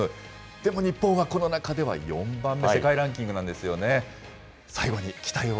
でも日本はこの中では４番目、世界ランキングなんですよね。